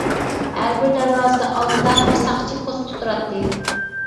ھەربىر دەرۋازا ئالدىدا بىر ساقچى پوستتا تۇراتتى.